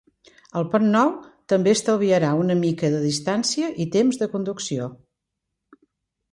El pont nou també estalviarà una mica de distància i temps de conducció.